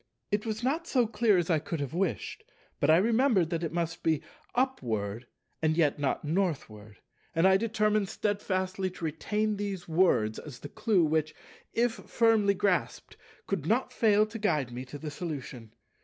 It was not so clear as I could have wished; but I remembered that it must be "Upward, and yet not Northward," and I determined steadfastly to retain these words as the clue which, if firmly grasped, could not fail to guide me to the solution.